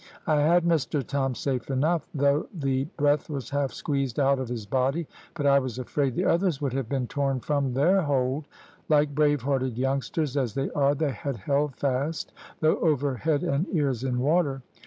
I had Mr Tom safe enough, though the breath was half squeezed out of his body; but I was afraid the others would have been torn from their hold. Like brave hearted youngsters as they are they had held fast, though over head and ears in water.